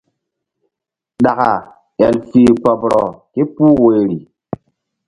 Ɗaka el fih kpoɓrɔ ke puh woyri.